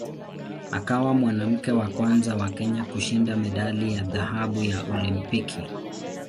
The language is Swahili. Akawa mwanamke wa kwanza wa Kenya kushinda medali ya dhahabu ya Olimpiki.